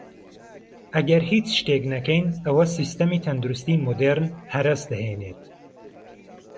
ئەگەر هیچ شتێک نەکەین ئەوە سیستەمی تەندروستی مودێرن هەرەس دەهێنێت